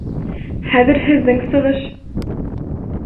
Хәҙер һеҙҙең сығыш!